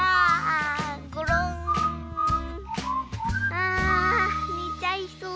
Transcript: あねちゃいそう。